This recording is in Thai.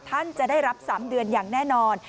ท่านจะได้รับ๓เดือนอย่างแน่นอน